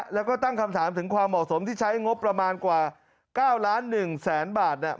แล้วก็ตั้งคำถามถึงความเหมาะสมที่ใช้งบประมาณกว่า๙ล้าน๑แสนบาทเนี่ย